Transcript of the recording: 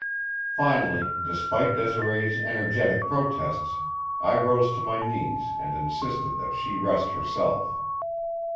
Finally, despite Desiree's energetic protests, I rose to my knees and insisted that she rest herself.